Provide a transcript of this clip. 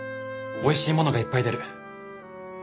おいしいものがいっぱい出る。